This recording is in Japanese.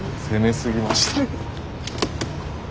攻めすぎました。